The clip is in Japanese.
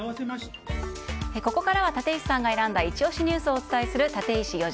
ここからは立石さんが選んだイチ押しニュースをお伝えする